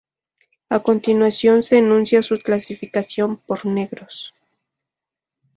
A continuación se enuncia su clasificación por negros